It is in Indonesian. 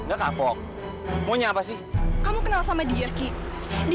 lo berdua ngapain ada di sini